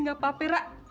udah gak apa apa ra